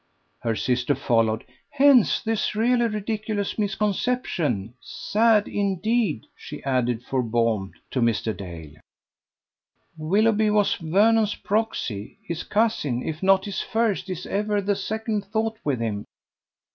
Her sister followed: "Hence this really ridiculous misconception! sad, indeed," she added, for balm to Mr. Dale. "Willoughby was Vernon's proxy. His cousin, if not his first, is ever the second thought with him."